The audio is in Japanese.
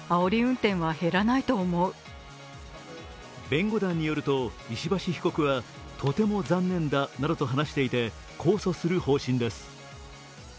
弁護団によると、石橋被告はとても残念だなどと話していて控訴する方針です。